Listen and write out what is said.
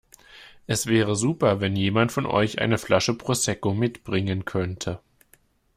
Es wäre super wenn jemand von euch eine Flasche Prosecco mitbringen könnte.